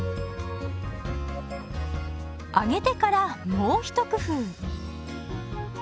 揚げてからもう一工夫。